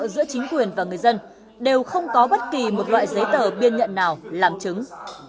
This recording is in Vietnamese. giữa chính quyền và người dân đều không có bất kỳ một loại giấy tờ biên nhận nào làm chứng